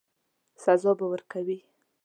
سزا به ورکوي.